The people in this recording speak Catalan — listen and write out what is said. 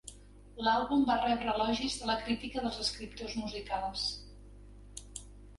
L'àlbum va rebre elogis de la crítica dels escriptors musicals.